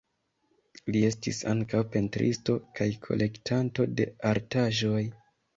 Li estis ankaŭ pentristo kaj kolektanto de artaĵoj.